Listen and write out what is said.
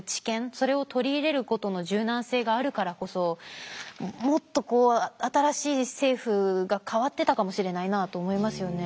それを取り入れることの柔軟性があるからこそもっとこう新しい政府が変わってたかもしれないなと思いますよね。